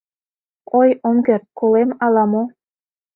Ой, ом керт, колем ала-мо!..